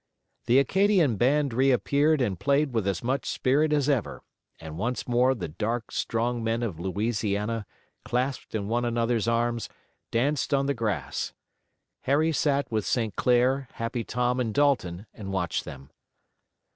The Acadian band reappeared and played with as much spirit as ever, and once more the dark, strong men of Louisiana, clasped in one another's arms, danced on the grass. Harry sat with St. Clair, Happy Tom and Dalton and watched them.